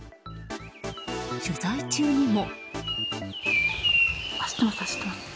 取材中にも。